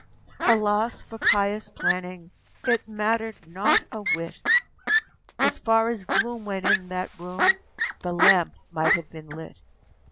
â Alas for pious planning It mattered not a whit! As far as gloom went in that room, The lamp might have been lit!